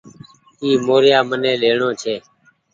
اي موريآ مني ليڻو ڇي۔